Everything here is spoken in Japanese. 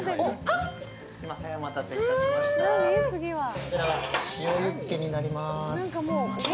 こちらは塩ユッケになります。